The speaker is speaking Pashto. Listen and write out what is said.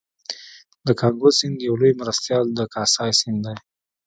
د کانګو سیند یو لوی مرستیال د کاسای سیند دی